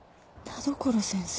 田所先生